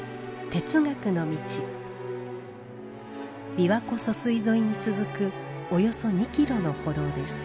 琵琶湖疏水沿いに続くおよそ２ｋｍの歩道です。